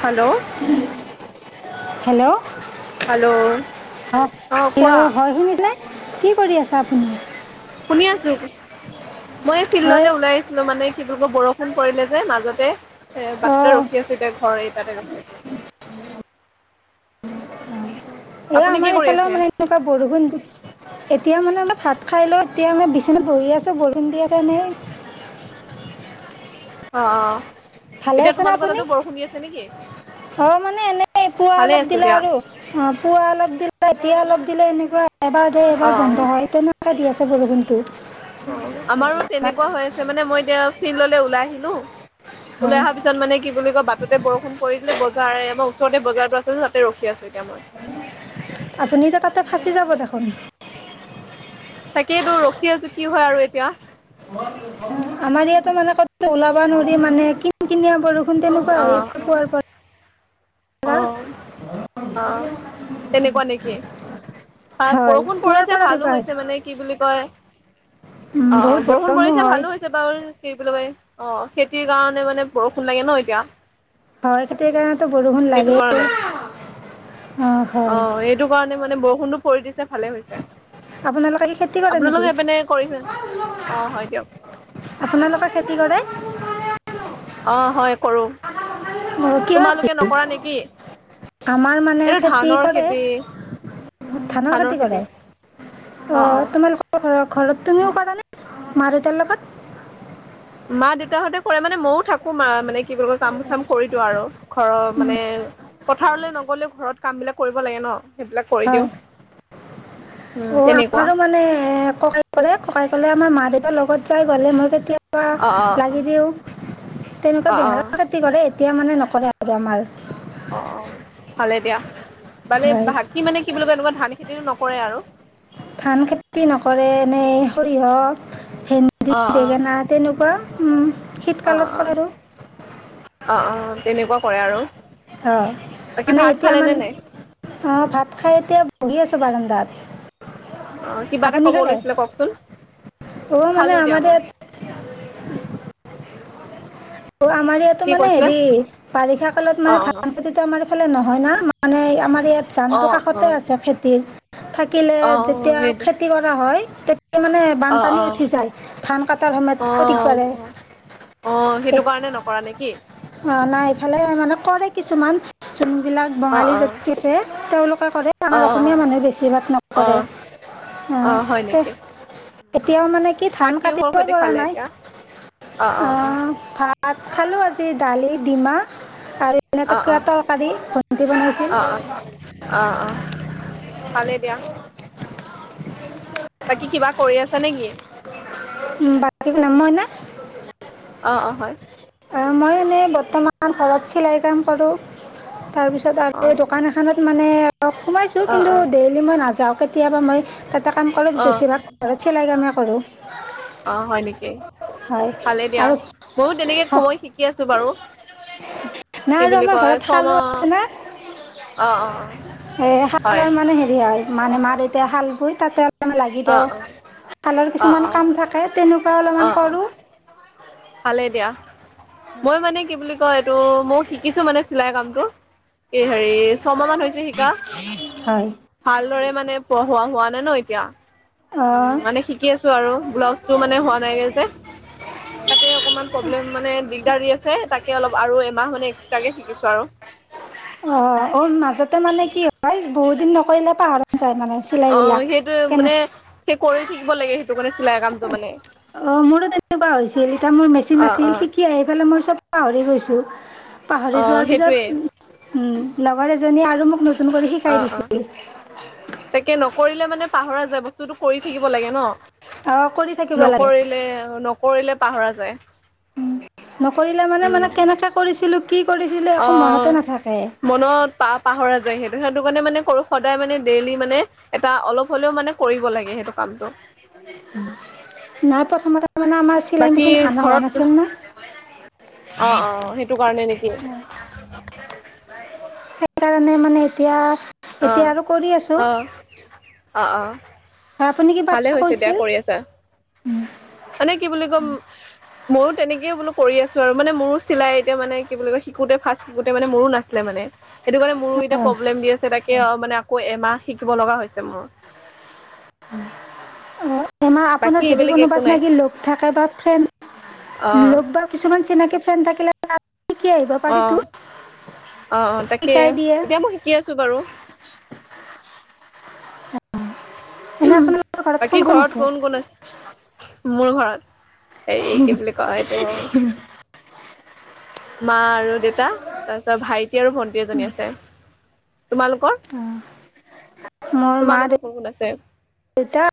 Hello. Hello. Hello অ কোৱা [unintelligible] হয় শুনিছেনে? কি কৰি আছা আপুনি? শুনি আছো। মই এই হয় ফিল্ডলে ওলাই আহিছিলো মানে সবোৰাক বৰষুণ পৰিলে যে মাজতে। এ' বাটতে অঁ ৰখি আছিল দে ঘৰত। তাৰে ব্যিছ [inaudible] এ' আমাৰ এইফালে আছে মানে এনেকুৱা বৰষুণ এতিয়া মানে অলপ ভাত খাই লৈ তেতিয়া মানে বিচনাত বহি আছোঁ বৰষুণৰ দি আছে নে অঁ অঁ। ভালে আছেনে আপুনি? অ' মানে এনে পুৱা ভালে অলপ আছো দিলে দিয়া আৰু অ' পুৱা অলপ দিলে! এতিয়া অলপ দিলে এনেকুৱা। এবাৰ দিয়ে অ এবাৰ বন্ধ হয় তেনেকুৱাকে দি আছে। চব কিন্তু [inaudible] অ' আমাৰো তেনেকুৱা হৈ আছে মানে মই এতিয়া ফিল্ডলে ওলাই আহিলো। ওলাই হয় অহাৰ পিছত মানে কি বুলি কয় বাটতে বৰষুণ কৰি বজাৰ আমাৰ ওচৰতে বজাৰ টো আছে তাতে ৰখি আছো এতিয়া মই। আপুনি এতিয়া তাতে ফাঁচি যাব দেখোন। তাকেতো ৰোখি আছোঁ কি হয় আৰু এতিয়া। আমাৰ ইয়াতো মানে ক'তো ওলাবা নোৱাৰ মানে কিন কিনি বৰষুণ। তেনেকুৱা অ অ হৈ আছে পুৱাৰ অ পৰা অহ তেনেকুৱা নেকি হয় বৰষুণ পুৱাৰ পৰিছে পৰা ভালো তেনেকুৱা হৈছে মানে কি বুলি কয় উম, অ বহুত বৰষুণ গৰমো পৰিছে হয় ভালো হৈছে বাৰু কি বুলি কয় অ খেতিৰ কাৰণে মানে বৰষুণ লাগে ন। এতিয়া হয় খেতি কাৰণে বৰষুণ সেইটো লাগে কাৰণে অ হয় বৰষুণতো পৰি দিছে ভালে হৈছে। আপোনালোকে কি খেতি কৰে আপোনালোকে নেকি? এইপিনে কৰিছে? অ হয় দিয়ক আপোনালোকে খেতি কৰে? অ' হয় কৰোঁ। অ' কিহৰ খেতি? আমাৰ মানে এইটো খেতি ধানৰ কৰে। খেতি ধানৰ খেতি কৰে। অ' তোমালোকৰ ধৰক ঘৰত তুমিও কৰা নে মা দেউটাৰ লগত? মা দেউতাহতে কৰে মানে মইও থাকো মা মানে কি বুলি কয় কাম চাম কৰি দিওঁ আৰু ঘৰৰ মানে পথাৰলৈ নগ'লেও ঘৰত কাম বিলাক কৰিব লাগে ন! সেইবিলাক কৰি দিওঁ হয়। উম অ' তেনেকুৱা আমাৰো মানে ককাই কৰে ককাই আমাৰ মা দেউতাৰ লগত যাই গ'লে মই কেতিয়া অ অ লাগি দিও অ অ তেনেকুৱা বেহাৰৰ খেতি কৰে তেতিয়া মানে নকৰে আৰু আমাৰ অ অ ভালে দিয়া মানে হয় ভাক মানে কি বুলি কয় এনেকুৱা ধান খেতি খেতি নকৰে আৰু ধান খেতি নকৰে নে সৰিয়হক হেন্দ অ অ বেঙেনা তেনেকুৱা অ অ শীতকালত অ কল আৰু অ অ তেনেকুৱা কৰে আৰু অ বাকী মানে ভাত এতিয়া খালে নে মান নাই অ ভাত খাই এতিয়া বহি আছো [unintelligible] অ কিবা এটা কব লৈছিলে কওকচোন অঁ মানে খালো দিয়া আমাৰ মই ইয়াত [inaudible] অ আমাৰ ইয়াতো কি মানে কৈছিলে হেৰি বাৰিষা কালত অ মানে ধান খেতিটো আমাৰ এইফালে নহয় না মানে আমাৰ ধান অ অ অ কাষতে আছে খেতিৰ থাকিলে অ অ যেতিয়া সেইটো খেতি কৰা হয় মানে অ বানপানী উঠি যায় ধান কটাৰ অ অ অ সময়ত অ সেইটো কাৰণে নকৰা নেকি নাই ইফালে আ মানে কৰে কিছুমান যোনবিলাক অ বঙালী অ জাতি আছে তেওঁলোকে কৰে অ আমাৰ অসমীয়া মানুহে বেছি ভাগ অ অ নকৰে অ হয় নেকি এতিয়াও মানে কি ভাত ধান কিহৰ কাটিবই সৈতে পৰা খালে নাই এতিয়া অ অ অ অহ ভাত চালোঁ আজি দালি ডিমাহ আৰু এনে অ তৰকাৰী ভণ্টি বনাইছীল। অ অ উ অ অ ভালে দিয়া বাকী কিবা কৰি আছা নেকি উম, বাকী বনাম মই না অ অ হয় অ, মই এনেই বৰ্তমান ঘৰত চিলাই কাম কৰোঁ তাৰপিছত অ আৰু এই দোকান এখনত মানে সোমাইছো অ কিন্তু অ ডেইলি মই নাযাও কে কেতিয়াবা মই তাতে কাম কৰোঁ অ বেছিভাগ ঘৰত চিলাই কামে পাৰোঁ অ, হয় নেকি। হয় ভালে দিয়া আৰু ময়ো তেনেকৈ কবলৈ শিকি আছোঁ বাৰু। নাই কি আৰু বুলি আমাৰ কয় ঘৰত শালো আছে না ছমাহ অঁ, অঁ, এই হয়। শালৰ মানে হেৰি হয় মা, মানে দেউতাই হাল বৈ তাতে লাগি অ দাও। অ খালৰ অ কিছুমান কাম অ থাকে তেনেকুৱা অ অলপমান অ কৰোঁ ভালেই দিয়া। মই মানে কি বুলি [unintelligible] এইটো মইও শিকিছো মানে চিলাই কামটো। এই হেৰি, ছমাহ মান হৈছে শিকা, হয় ভালদৰে মানে পঢ়োৱা হোৱা ন [unintelligible] এতিয়া। অঁ উ, মানে শিকি আছো আৰু ব্লাউজটো মানে হোৱা নাই গে যে। এ অকমান প্ৰব্লেম মানে দিগদাৰ আছে, তাকে অলপ আৰু এমাহ মানে এক্সট্ৰাকে শিকিছো অঁ অঁ মাজতে মানে আৰু। কি হয় বহুত দিন নকৰিলে পাহৰা যায় মানে, চিলাই অ গিলাক, সেইটো কেনে মানে সেই কৰি থাকিব লাগে সেইটো কাৰণে চিলাই কামটো মানে অ', মোৰো তেনেকুৱা হৈছিল, এতিয়া মোৰ মেচিন অ আাছিল অ শিকি আহি পালে মই চব পাহৰি গৈছো। পাহৰি অ যোৱাৰ পিছত, সেইটোৱে উম। লগৰ এজনীয়ে আৰু মোক কৰি শিকাই অ', দিছিল অ', তাকে নকৰিলে মানে পাহৰা বস্তুটো কৰি থাকিব লাগে ন। অঁ কৰি থাকিব লাগে নকৰিলে, নকৰিলে পাহৰা যায়। নকৰিলে মানে-মানে উম কেনেকে কৰিছিলো কি কৰিছিলো একো মনতে অ', নাথাকে মনত পা-পাহৰা যায় সেইট ত', সেইটো কাৰণে মানে কৰোঁ, সদায় মানে ডেইলি মানে এটা অলপ হ'লেও মানে কৰিব লাগে সেইটো কামটো। নাই প্ৰথমতে মানে আমাৰ চিলাই বাকী মেচিন আনা হোৱা ঘৰত, নাছিল ন অ' অ', সেইটো কাৰণে নে কি? সেইকাৰণে মানে এতিয়া এতিয়া অ', আৰু কৰি আছো অ', অ' অ' আৰু আপুনি কিবা ভালে এটা হৈছে দিয়া কৈছিল? কৰি আছা মানে কি বুলি কয়, মইয়ো তেনেকে বোলো কৰি আছোঁ আৰু, মানে মোৰো চিলাই এতিয়া মানে কি বুলি কয়, শিকোতে ফাৰ্ষ্ট শিকোঁতে মানে মোৰো নাছিলে মানে, সেইটো কাৰণে মোৰো এতি অ প্ৰলেম দি আছে তাক মানে আকৌ এমাহ শিকিব লগা হৈছে মোৰ। মা আপোনাৰ বাকী [inaudible] বেলেগ কোনোবা একো নাই চিনাকি লোক থাকে বা ফ্ৰেড অ', বা কিছুমান চিনাকে ফ্ৰেণ্ড থাকিলে শিকি আহিব পাৰিতো আহ আহ অ তাকেই শিকাই দিয়ে এতিয়া মই শিকি আছো বাৰু! এনে আপোনালোকৰ কোন বাকী ঘৰত আছে কোন কোন আছে! মোৰ ঘৰত? এই কি বুলি এইটো মা আৰু দেউতা তাৰ পিছত ভাইট আৰু ভন্টি এজনী আছে। তোমালোকৰ? মোৰ মা তোমালোকৰ কোন কোন আছে? দেউতা